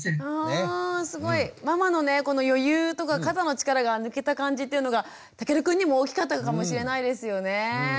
ママのねこの余裕とか肩の力が抜けた感じというのがたけるくんにも大きかったかもしれないですよね。